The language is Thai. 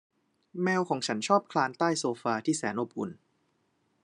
แมวของฉันชอบคลานข้างใต้โซฟาที่แสนอบอุ่น